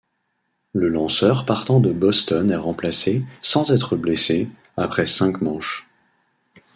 Le lanceur partant de Boston est remplacé, sans être blessé, après cinq manches.